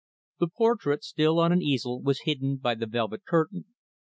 The portrait still on the easel was hidden by the velvet curtain.